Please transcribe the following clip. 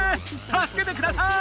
たすけてください！